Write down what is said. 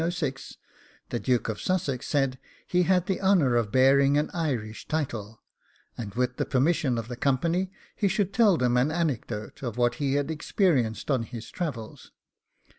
At St. Patrick's meeting, London, March 1806, the Duke of Sussex said he had the honour of bearing an Irish title, and, with the permission of the company, he should tell them an anecdote of what he had experienced on his travels.